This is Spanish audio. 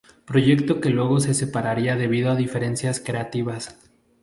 Proyecto que luego se separaría debido a diferencias creativas.